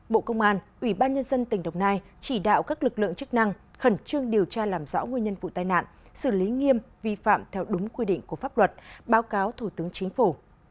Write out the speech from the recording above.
hai bộ công an ubnd tỉnh đồng nai chỉ đạo các lực lượng chức năng khẩn trương điều tra làm rõ nguyên nhân vụ tai nạn xử lý nghiêm vi phạm theo đúng quy định của pháp luật báo cáo thủ tướng chính phủ